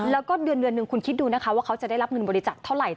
แล้วก็เดือนหนึ่งคุณคิดดูนะคะว่าเขาจะได้รับเงินบริจาคเท่าไหร่